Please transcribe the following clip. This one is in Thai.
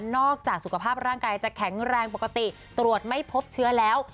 จากสุขภาพร่างกายจะแข็งแรงปกติตรวจไม่พบเชื้อแล้ว